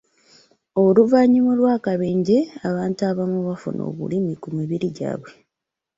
Oluvannyuma lw'akabenje, abantu abamu baafuna obulemu ku mibiri gyabwe.